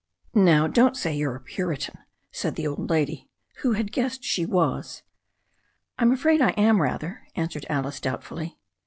"Now, don't say you're a Puritan," said the old lady, who had guessed she was. I'm afraid I am, rather," answered Alice doubtfully.